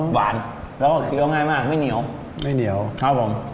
หวานแล้วก็เคี้ยวง่ายมากไม่เหนียวไม่เหนียวครับผม